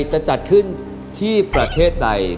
จะจัดขึ้นที่ประเทศใด